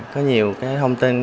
có nhiều cái thông tin